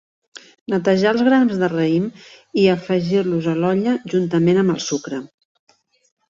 Netejar els grans de raïm i afegir-los a l'olla juntament amb el sucre.